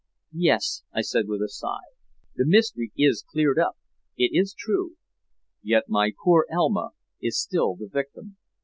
"Yes," I said with a sigh. "The mystery is cleared up, it is true, yet my poor Elma is still the victim."